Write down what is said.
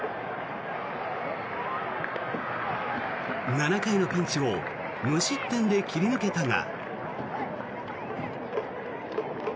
７回のピンチを無失点で切り抜けたが。